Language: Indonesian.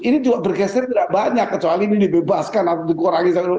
ini juga bergeser tidak banyak kecuali ini dibebaskan atau dikurangi